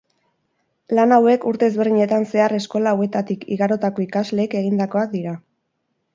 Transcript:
Lan hauek urte ezberdinetan zehar eskola hauetatik igarotako ikasleek egindakoak dira.